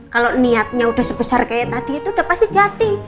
kalau niatnya udah sebesar kayak tadi itu udah pasti jadi